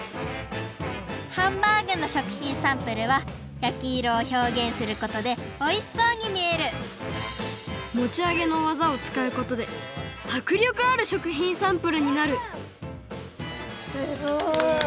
ハンバーグの食品サンプルはやきいろをひょうげんすることでおいしそうにみえるもちあげのわざをつかうことではくりょくある食品サンプルになるすごい！